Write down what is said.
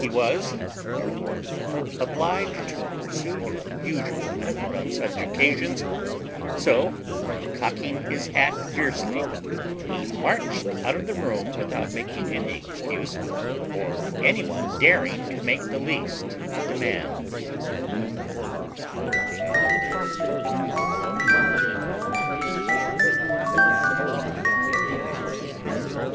He was therefore obliged to pursue his usual method on such occasions: so, cocking his hat fiercely, he marched out of the room without making any excuse, or any one daring to make the least demand.